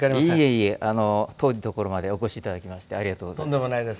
いえいえ遠いところまでお越しいただきありがとうございます。